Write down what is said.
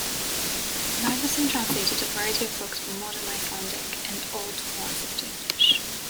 Magnusson translated a variety of books from modern Icelandic and Old Norse into English.